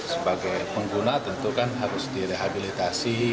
sebagai pengguna tentu kan harus direhabilitasi